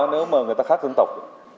nếu mà người ta khác dân tộc